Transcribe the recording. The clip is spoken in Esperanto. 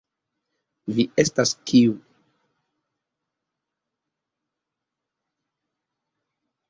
Vi estas, kiu.